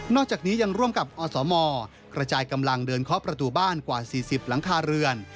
จากนี้ยังร่วมกับอสมกระจายกำลังเดินเคาะประตูบ้านกว่า๔๐หลังคาเรือน